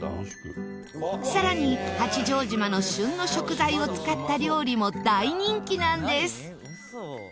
さらに八丈島の旬の食材を使った料理も大人気なんです。